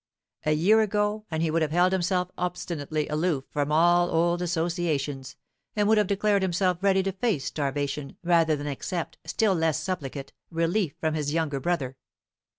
A year ago and he would have held himself obstinately aloof from all old associations, and would have declared himself ready to face starvation, rather than accept, still less supplicate, relief from his younger brother.